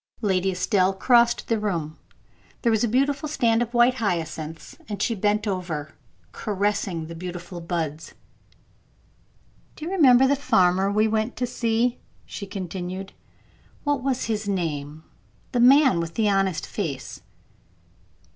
Lady Estelle crossed the room; there was a beautiful stand of white hyacinths, and she bent over, caressing the beautiful buds. "Do you remember the farmer we went to see?" she continued, "What was his name? the man with the honest face?"